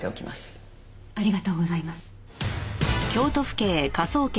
ありがとうございます。